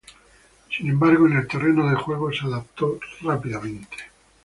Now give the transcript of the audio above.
Sin embargo, en el terreno de juego se adaptó rápidamente.